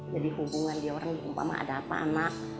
jadi hubungan di orang umpama ada apa anak